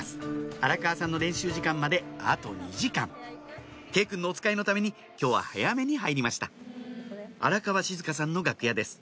荒川さんの練習時間まであと２時間佳依くんのおつかいのために今日は早めに入りました荒川静香さんの楽屋です